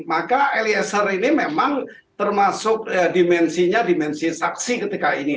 maka eliezer ini memang termasuk dimensinya dimensi saksi ketika ini